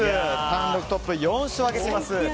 単独トップ４勝挙げています。